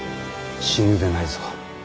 死ぬでないぞ。